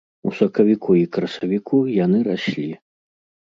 У сакавіку і красавіку яны раслі.